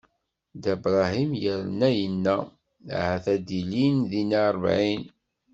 Dda Bṛahim yerna yenna: Ahat ad ilin dinna ṛebɛin?